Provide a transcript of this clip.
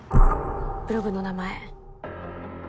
ブログの名前。